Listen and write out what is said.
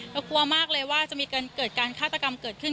กลัวมากเลยว่าจะมีการเกิดการฆาตกรรมเกิดขึ้น